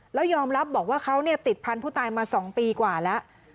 แล้วยอมรับบอกว่าเขาติดพันธุ์ผู้ตายมา๒ปีกว่าแล้ว